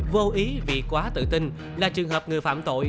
vô ý vì quá tự tin là trường hợp người phạm tội